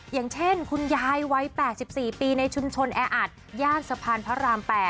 อย่างเช่นคุณยายวัย๘๔ปีในชุมชนแออัดย่านสะพานพระราม๘